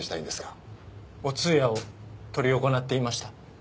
お通夜を執り行っていました。